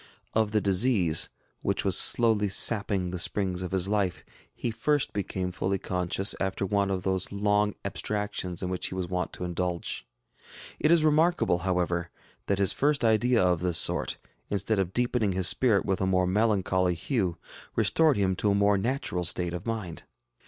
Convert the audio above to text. Of the disease, which was slowly sapping the springs of his life, he first became fully conscious after one of those long abstractions in which he was wont to indulge. It is remarkable, however, that his first idea of this sort, instead of deepening his spirit with a more melancholy hue, restored him to a more natural state of mind.